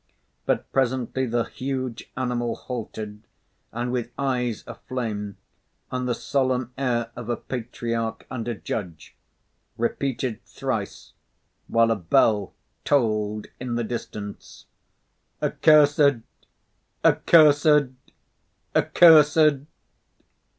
But presently the huge animal halted, and, with eyes aflame and the solemn air of a patriarch and a judge, repeated thrice, while a bell tolled in the distance: "Accursed! Accursed! Accursed!